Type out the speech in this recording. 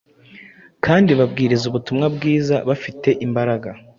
kandi babwiriza ubutumwa bwiza bafite imbaraga.